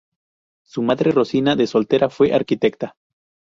Su madre, Rosina, de soltera fue arquitecta.